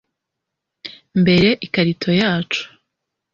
mbere ikarito yacu